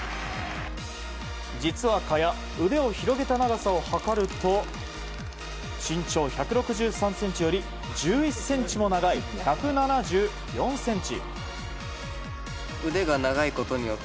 実は、萱腕を広げた長さを測ると身長１６３ｃｍより１１ｃｍも長い１７４ｃｍ。